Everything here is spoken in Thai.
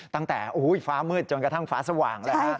ตั้งแต่ฟ้ามืดจนกระทั่งฟ้าสว่างเลยฮะ